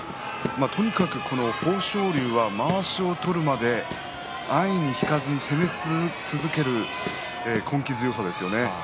とにかく豊昇龍はまわしを取れるまで安易に引かずに攻め続ける根気強さですよね。